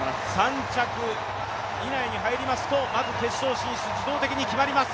３着以内に入りますとまず決勝進出自動的に決まります。